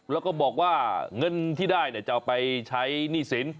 แล้วก็บอกว่าเงินที่ได้จะเอาไปใช้หนี้สิน